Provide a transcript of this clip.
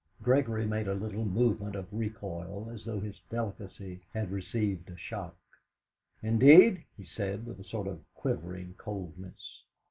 Gregory made a little movement of recoil, as though his delicacy had received a shock. "Indeed!" he said, with a sort of quivering coldness.